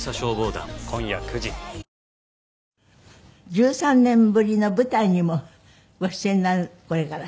１３年ぶりの舞台にもご出演になるこれから。